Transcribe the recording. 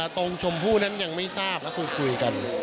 ตรงชมผู้นั้นยังไม่ทราบแล้วคุยกัน